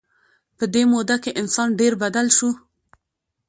په دې موده کې انسان ډېر بدل شو.